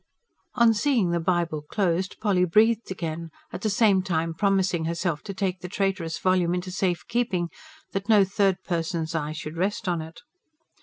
On seeing the Bible closed Polly breathed again, at the same time promising herself to take the traitorous volume into safe keeping, that no third person's eye should rest on it.